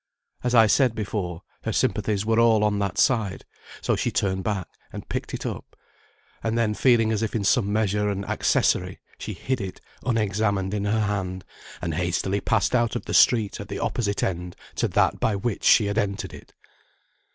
As I said before, her sympathies were all on that side, so she turned back and picked it up; and then feeling as if in some measure an accessory, she hid it unexamined in her hand, and hastily passed out of the street at the opposite end to that by which she had entered it.